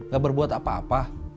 gak berbuat apa apa